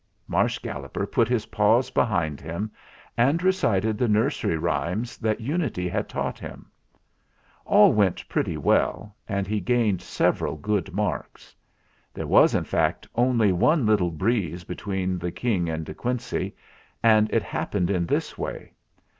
Marsh Galloper put his paws behind him, and recited the nursery rhymes that Unity had taught him. All went pretty well, and he gained several good marks. There was, in fact, only one little breeze between the King and De Quincey, and it happened in this way.